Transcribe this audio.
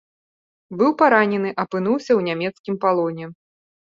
Быў паранены, апынуўся ў нямецкім палоне.